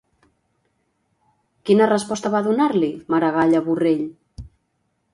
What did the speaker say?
Quina resposta va donar-li, Maragall a Borrell?